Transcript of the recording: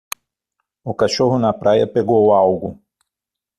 O cachorro na praia pegou algo.